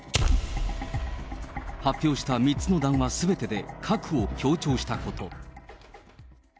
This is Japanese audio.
発表した３つの談話すべてで、核を強調したこと。